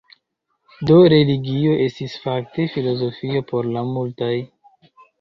Do religio estis fakte filozofio por la multaj.